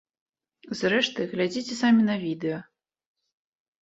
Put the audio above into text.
Зрэшты, глядзіце самі на відэа.